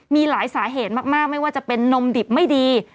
มีหลายสาเหตุมากไม่ว่าจะเป็นนมดิบไม่ดี